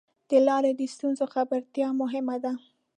د لارې د ستونزو خبرتیا مهمه ده.